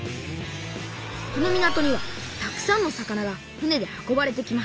この港にはたくさんの魚が船で運ばれてきます